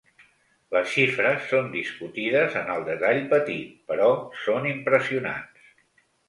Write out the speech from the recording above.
Les xifres són discutides en el detall petit, però són impressionants.